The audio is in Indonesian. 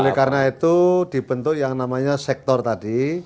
oleh karena itu dibentuk yang namanya sektor tadi